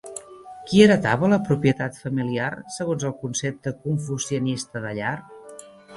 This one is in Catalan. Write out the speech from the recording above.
Qui heretava la propietat familiar segons el concepte confucianista de llar?